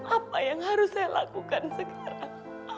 apa yang harus saya lakukan sekarang